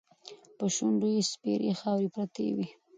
په شونډو یې سپېرې خاوې پرتې وې.